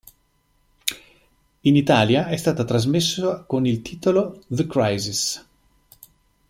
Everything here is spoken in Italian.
In Italia è stata trasmessa con il titolo "The Crisis".